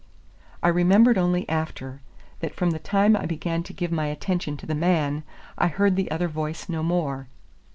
I remembered only after, that from the time I began to give my attention to the man, I heard the other voice no more.